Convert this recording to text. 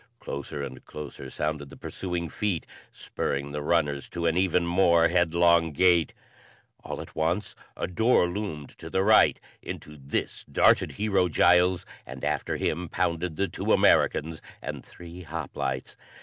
Closer and closer sounded the pursuing feet, spurring the runners to an even more headlong gait. All at once a door loomed to the right; into this darted Hero Giles and after him pounded the two Americans and three hoplites.